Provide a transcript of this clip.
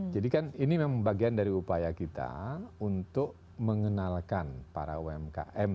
jadi kan ini memang bagian dari upaya kita untuk mengenalkan para umkm